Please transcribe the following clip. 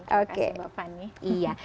terima kasih mbak fani